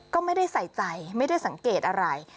ก็ไม่ได้ใส่ใจไม่ได้สังเกตอะไร